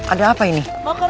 ada apa ini